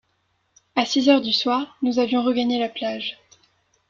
À six heures du soir, nous avions regagné la plage.